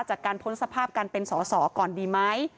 จากการพ้นสภาพการเป็นศาสตร์ศาสตร์ก่อนดีไหม